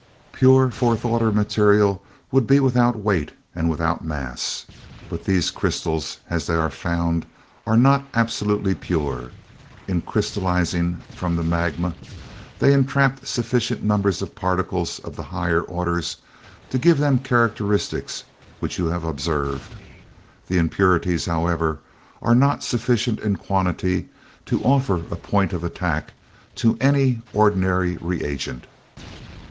Pure fourth order material would be without weight and without mass; but these crystals as they are found are not absolutely pure. In crystallizing from the magma, they entrapped sufficient numbers of particles of the higher orders to give them the characteristics which you have observed. The impurities, however, are not sufficient in quantity to offer a point of attack to any ordinary reagent."